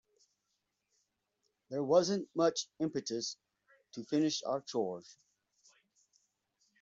There wasn't much impetus to finish our chores.